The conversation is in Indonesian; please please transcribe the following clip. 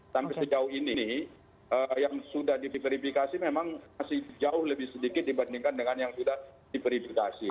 sampai sejauh ini yang sudah diverifikasi memang masih jauh lebih sedikit dibandingkan dengan yang sudah diverifikasi